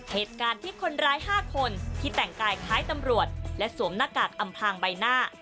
เหตุการณ์ที่คนร้าย๕คนที่แต่งกายคล้ายตำรวจและสวมหน้ากากอำพางใบหน้า